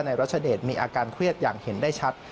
รัชเดชมีอาการเครียดอย่างเห็นได้ชัด